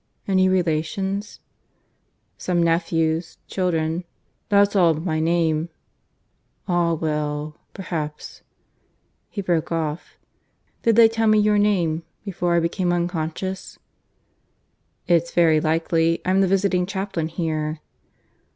"Any relations?" "Some nephews children. That's all of my name." "Ah well! Perhaps " (He broke off). "Did they tell me your name, before I became unconscious?" "It's very likely. I'm the visiting chaplain here."